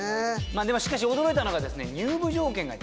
しかし驚いたのがですね